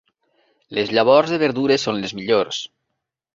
Les llavors de verdures són les millors.